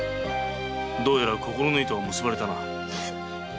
どうやら心の糸は結ばれたな。